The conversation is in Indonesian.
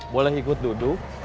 boleh ikut duduk